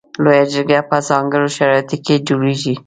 لویه جرګه په ځانګړو شرایطو کې جوړیږي.